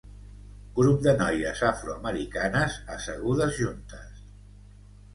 Grup de noies afroamericanes assegudes juntes